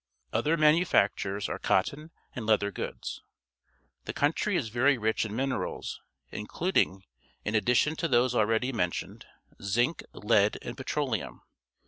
Other manufactures are cotton and leather goods. The country is very rich in minerals, including, in addition to those already mentioned, zinc, lead, and petroleum.